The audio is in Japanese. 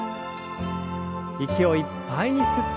息をいっぱいに吸って。